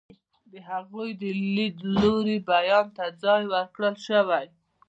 د هغوی د لیدلوري بیان ته ځای ورکړل شوی.